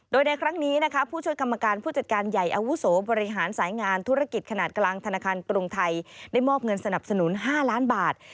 โดยในครั้งนี้นะคะผู้ช่วยกรรมการผู้จัดการใหญ่อาวุโสบริหารสายงานธุรกิจขนาดกลางธนาคารกรุงไทยได้มอบเงินสนับสนุน๕ล้านบาท